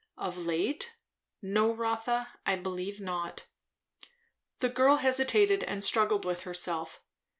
"Of late? No, Rotha, I believe not." The girl hesitated and struggled with herself.